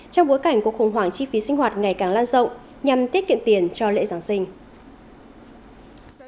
trong bối cảnh cuộc khủng hoảng chi phí sinh hoạt ngày càng lan rộng nhằm tiết kiệm tiền cho lễ giáng sinh